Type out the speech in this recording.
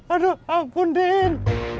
aduh ampun udin